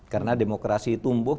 karena demokrasi tumbuh